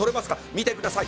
見てください。